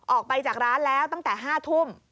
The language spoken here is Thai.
ออกไปจากร้านแล้วตั้งแต่๕ทุ่ม